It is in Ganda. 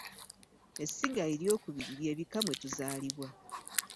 Essiga eryokubiri by'ebika mwe tuzaalibwa